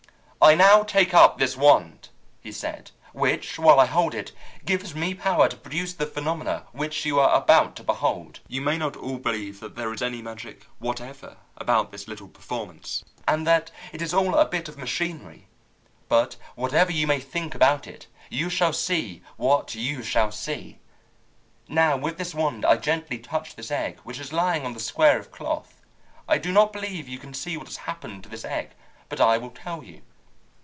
"I now take up this wand," he said, "which, while I hold it, gives me power to produce the phenomena which you are about to behold. You may not all believe that there is any magic whatever about this little performance, and that it is all a bit of machinery; but whatever you may think about it, you shall see what you shall see. "Now with this wand I gently touch this egg which is lying on the square of cloth. I do not believe you can see what has happened to this egg, but I will tell you.